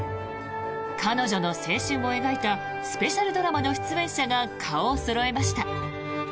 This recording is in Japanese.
彼女の青春を描いたスペシャルドラマの出演者が顔をそろえました。